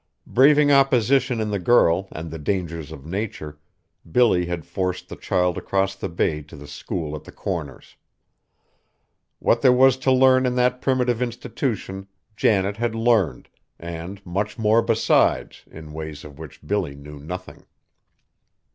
Braving opposition in the girl and the dangers of Nature, Billy had forced the child across the bay to the school at the Corners. What there was to learn in that primitive institution, Janet had learned, and much more besides in ways of which Billy knew nothing.